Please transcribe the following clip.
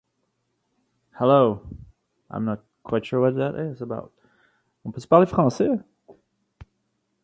It was first described and published in Bull.